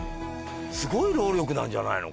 すごい労力なんじゃないの？